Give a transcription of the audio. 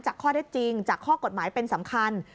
ข้อได้จริงจากข้อกฎหมายเป็นสำคัญ